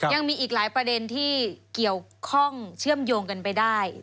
ยังมีอีกหลายประเด็นที่เกี่ยวข้องเชื่อมโยงกันไปได้